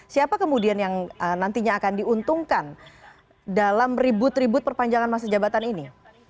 siapa kemudian yang nantinya akan diuntungkan dalam ribut ribut perpanjangan masa jabatan ini